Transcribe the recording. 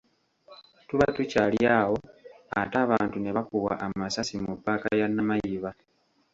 Tuba tukyali awo ate abantu ne bakubwa amasasi mu ppaaka ya Namayiba